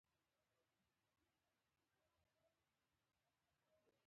ایا زه باید چای وڅښم؟